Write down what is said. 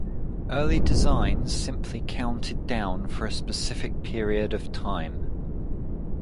Early designs simply counted down for a specific period of time.